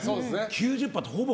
９０％ってほぼ。